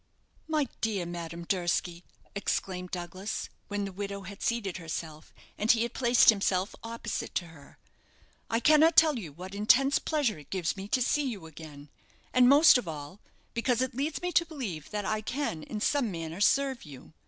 "My dear Madame Durski!" exclaimed Douglas, when the widow had seated herself and he had placed himself opposite to her, "I cannot tell you what intense pleasure it gives me to see you again, and most of all because it leads me to believe that I can in some manner serve you.